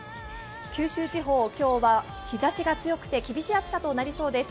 九州地方、今日は日ざしが強くて厳しい暑さとなりそうです。